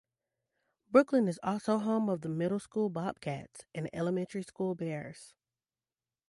Brooklyn is also home of the Middle School Bobcats and Elementary School Bears.